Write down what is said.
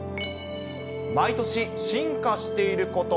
毎年進化していること。